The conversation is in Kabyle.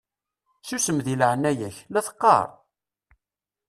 Susem deg leɛnaya-k la teqqaṛ!